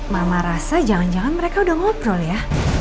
mama rasa jangan jangan mereka udah ngobrol ya